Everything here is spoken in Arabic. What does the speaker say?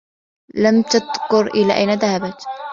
لم تذكر إلى أين ذهبت.